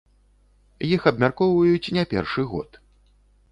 Іх абмяркоўваюць не першы год.